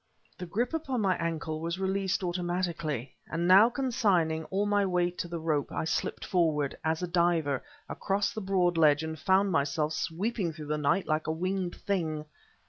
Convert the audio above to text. The grip upon my ankle was released automatically; and now consigning all my weight to the rope I slipped forward, as a diver, across the broad ledge and found myself sweeping through the night like a winged thing...